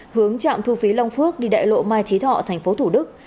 hướng chạm thu phí long phước đi đại lộ mai trí thọ tp thủ đức